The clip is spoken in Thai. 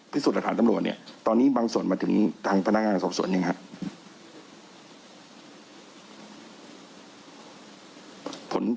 พิสุทธิ์ดองศาลนำรวชเนี้ยตอนนี้บังส่วนมาถึงทางพนักงานสกส่วนนี้น่ะครับ